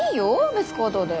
別行動で。